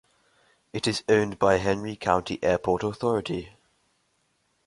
It is owned by the Henry County Airport Authority.